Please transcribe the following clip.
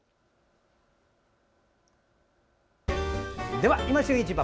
では「いま旬市場」